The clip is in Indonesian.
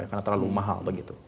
karena terlalu mahal begitu